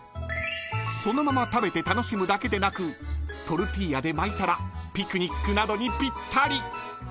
［そのまま食べて楽しむだけでなくトルティーヤで巻いたらピクニックなどにぴったり］